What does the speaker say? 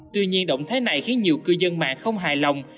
tuy nhiên động thái này khiến nhiều cư dân mạng không hài lòng